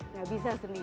nggak bisa sendiri